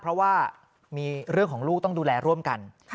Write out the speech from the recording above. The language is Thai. เพราะว่ามีเรื่องของลูกต้องดูแลร่วมกัน